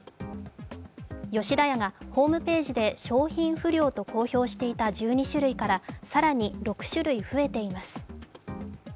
吉田屋がホームページで商品不良と表示していた１２種類から更に６種類増えています。